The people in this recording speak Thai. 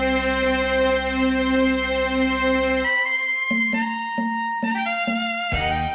แล้วเราจะมากรอบที่สุภาพ